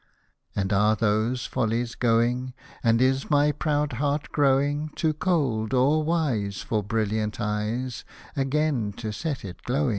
And are those follies going ? And is my proud heart growing Too cold or wise For brilliant eyes Again to set it glowing